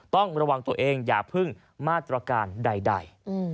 ต้องระวังตัวเองอย่าพึ่งมาตรการใด